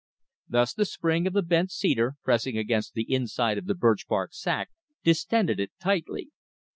Thus the spring of the bent cedar, pressing against the inside of the birch bark sac, distended it tightly.